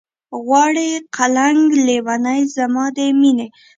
غواړي قلنګ لېونے زما د مينې